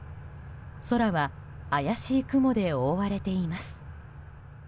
空は怪しい雲で覆われています。